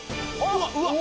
うわっ！